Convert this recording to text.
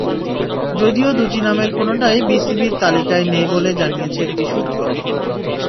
যদিও দুটি নামের কোনোটাই বিসিবির তালিকায় নেই বলে জানিয়েছে একটি সূত্র।